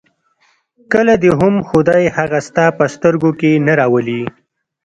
کله دې هم خدای هغه ستا په سترګو کې نه راولي.